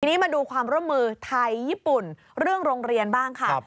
ทีนี้มาดูความร่วมมือไทยญี่ปุ่นเรื่องโรงเรียนบ้างค่ะ